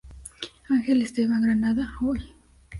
Ángel Esteban, Granada Hoy.